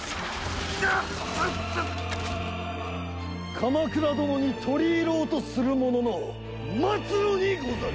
鎌倉殿に取り入ろうとする者の末路にござる！